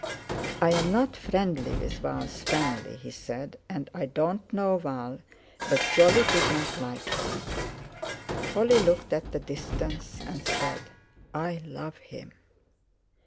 "I'm not friendly with Val's family," he said, "and I don't know Val, but Jolly didn't like him." Holly looked at the distance and said: "I love him."